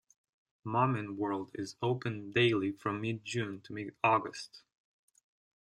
Moomin World is open daily from mid-June to mid-August.